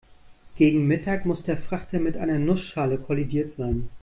Gegen Mittag muss der Frachter mit einer Nussschale kollidiert sein.